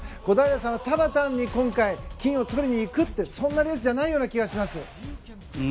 小平さんはただ単に今回、金をとりにいくそんなレースじゃないような気がします。